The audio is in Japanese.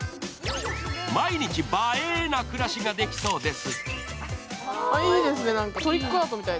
毎日映えな暮らしができそうです。